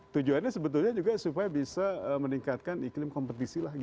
tujuannya sebetulnya juga supaya bisa meningkatkan iklim kompetisi lagi